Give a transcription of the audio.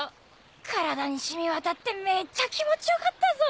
体に染み渡ってめっちゃ気持ち良かったぞ！